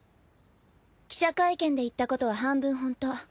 記者会見で言ったことは半分本当。